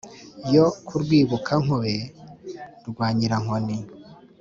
yo ku rwibukankobe rwa nyirankoni,